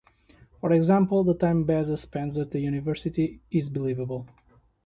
For example the time Besa spends at the university is believable.